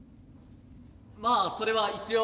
まあそれは一応。